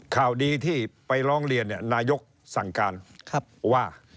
ข่าวดีที่ไปร้องเรียนนายกสั่งการว่า